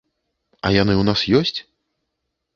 А яны ў нас ёсць?